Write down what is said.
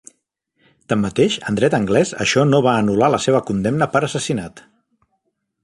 Tanmateix, en dret anglès això no va anular la seva condemna per assassinat.